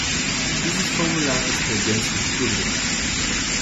Dieses Formular ist mir gänzlich unbekannt.